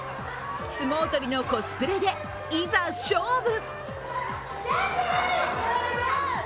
相撲取りのコスプレでいざ、勝負。